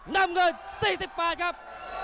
น้ำเงิน๔๘ครับ